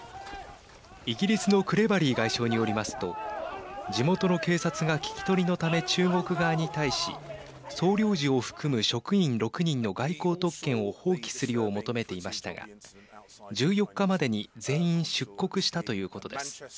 イギリスのクレバリー外相によりますと地元の警察が聞き取りのため中国側に対し総領事を含む職員６人の外交特権を放棄するよう求めていましたが１４日までに全員、出国したということです。